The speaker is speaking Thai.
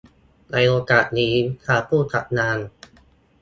ในโอกาสนี้ ทางผู้จัดงาน